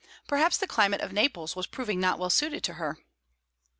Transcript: Perhaps the climate of Naples was proving not well suited to her.